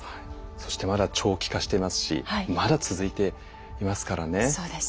そしてまだ長期化してますしまだ続いていますからね。